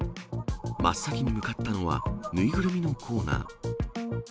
真っ先に向かったのは、縫いぐるみのコーナー。